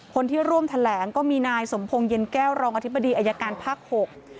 คนที่ร่วมแถลงก็มีนายสมพงศ์เย็นแก้วรองอธิบดีอายการภาคหก